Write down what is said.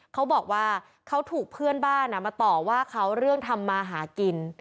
เขาบอกว่าเขาถูกเพื่อนบ้านมาต่อว่าเขาเรื่องทำมาหากิน